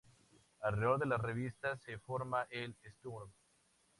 Alrededor de la revista se formó el "Sturm".